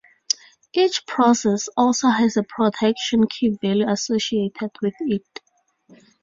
Each process also has a protection key value associated with it.